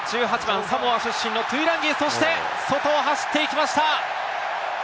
サモア出身のトゥイランギ、外を走っていきました。